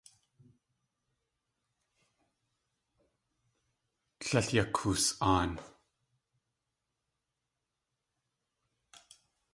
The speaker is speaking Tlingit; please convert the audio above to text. Tlél yakoos.aan.